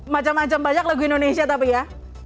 macem macem banyak lagu indonesia tapi ya